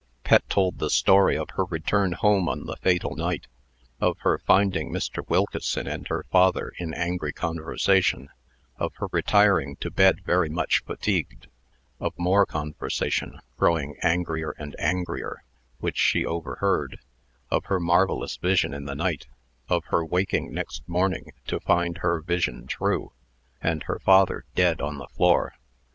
Pet told the story of her return home on the fatal night, of her finding Mr. Wilkeson and her father in angry conversation; of her retiring to bed very much fatigued; of more conversation, growing angrier and angrier, which she overheard; of her marvellous vision in the night; of her waking next morning to find her vision true, and her father dead on the floor.